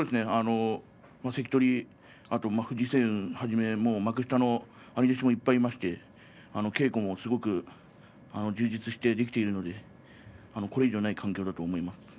関取、あと藤青雲はじめ幕下の兄弟子もいっぱいいまして稽古もすごく充実して、できているのでこれ以上ない環境だと思います。